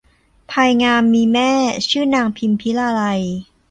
พลายงามมีแม่ชื่อนางพิมพิลาไลย